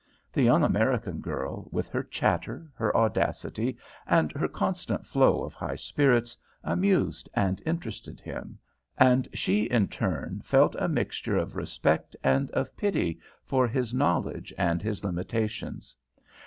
The young American girl, with her chatter, her audacity, and her constant flow of high spirits, amused and interested him, and she in turn felt a mixture of respect and of pity for his knowledge and his limitations.